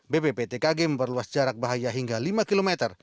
bpptkg memperluas jarak bahaya hingga lima km